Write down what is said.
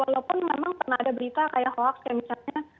walaupun memang pernah ada berita kayak hoax kayak misalnya